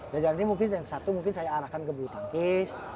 jadi nanti mungkin yang satu mungkin saya arahkan ke butangkis